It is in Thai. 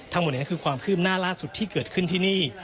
ทั้งหมดนี้คือความคืบหน้าล่าสุดที่เกิดขึ้นที่นี่